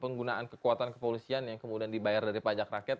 penggunaan kekuatan kepolisian yang kemudian dibayar dari pajak rakyat